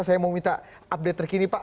saya mau minta update terkini pak